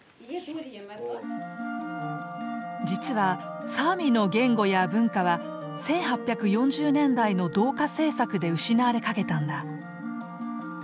実はサーミの言語や文化は１８４０年代の同化政策で失われかけたんだ。